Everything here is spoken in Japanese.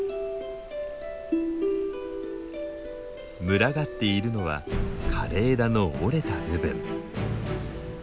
群がっているのは枯れ枝の折れた部分。